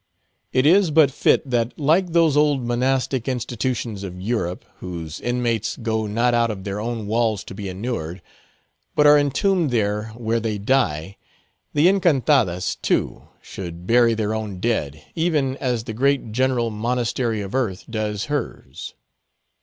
It is but fit that, like those old monastic institutions of Europe, whose inmates go not out of their own walls to be inurned, but are entombed there where they die, the Encantadas, too, should bury their own dead, even as the great general monastery of earth does hers.